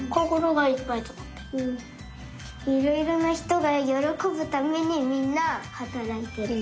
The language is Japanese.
いろいろなひとがよろこぶためにみんなはたらいてる。